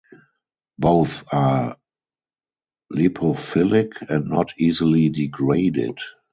Both are lipophilic and not easily degraded.